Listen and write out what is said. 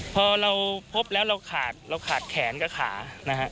พอเราพบแล้วเราขาดเราขาดแขนกับขานะฮะ